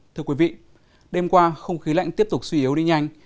thưa quý vị đêm qua không khí lạnh tiếp tục suy yếu đi nhanh